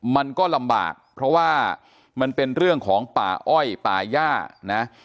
มันก็ลำบากเพราะว่ามันเป็นเรื่องของป่าอ้อยป่าย่านะ